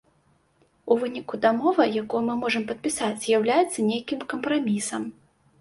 У выніку дамова, якую мы можам падпісаць, з'яўляецца нейкім кампрамісам.